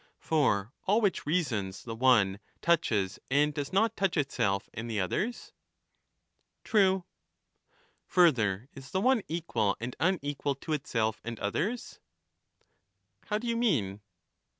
For all which reasons the one touches and does not touch itself and the others ? True. Further— is the one equal and unequal to itself and others ? The one is How do you mean